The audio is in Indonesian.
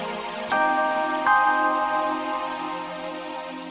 kok kalian ini sih